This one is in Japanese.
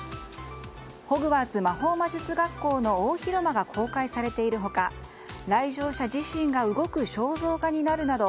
ホグワーツ魔法魔術学校の大広間が公開されている他来場者自身が動く肖像画になるなど